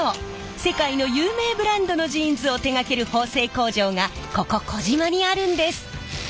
世界の有名ブランドのジーンズを手がける縫製工場がここ児島にあるんです。